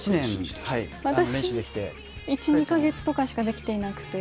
私は１、２か月とかしかできていなくて。